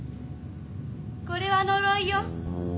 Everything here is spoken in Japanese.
これは呪いよ。